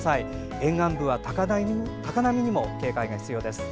沿岸部は高波にも警戒が必要です。